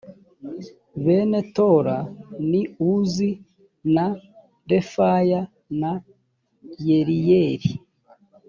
bene tola ni uzi na refaya na yeriyeli